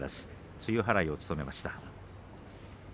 露払いを務めました。